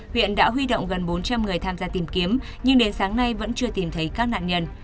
huyện đã huy động gần bốn trăm linh người tham gia tìm kiếm nhưng đến sáng nay vẫn chưa tìm thấy các nạn nhân